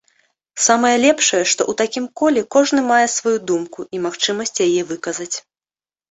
Самае лепшае, што ў такім коле кожны мае сваю думку і магчымасць яе выказаць.